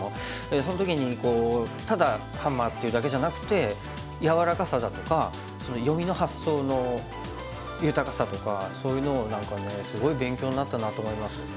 その時にこうただハンマーっていうだけじゃなくて柔らかさだとか読みの発想の豊かさとかそういうのを何かすごい勉強になったなと思います。